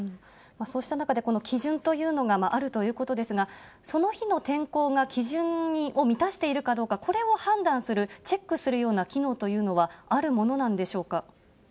そうした中で、基準というのがあるということですが、その日の天候が基準を満たしているかどうか、これを判断する、チェックするような機能というのはあるものなんでしょうか。